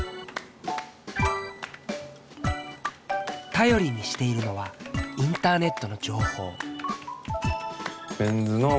頼りにしているのはインターネットの情報。